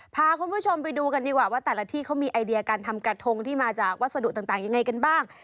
พาคุณผู้ชมไปดูกันดีกว่าว่าแต่ละที่เขามีไอเดียการทำกระทงที่มาจากวัสดุต่างยังไงกันบ้าง